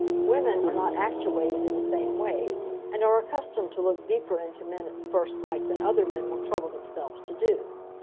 Women are not actuated in the same way, and are accustomed to look deeper into men at the first sight than other men will trouble themselves to do.